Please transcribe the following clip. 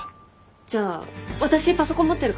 じゃあ私パソコン持ってるから一緒にやろう。